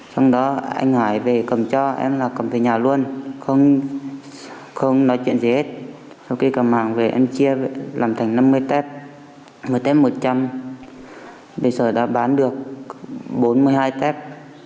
trong đó anh hải về cầm cho em là cầm về nhà luôn không nói chuyện gì hết sau khi cầm màng về em chia làm thành năm mươi tép một tép một trăm linh bây giờ đã bán được bốn mươi hai tép